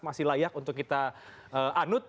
masih layak untuk kita anut